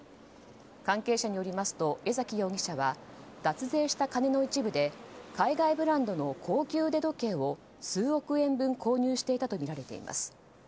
関係者によりますと江崎容疑者は脱税した金の一部で海外ブランドの高級腕時計を数億円分購入していたとみられています。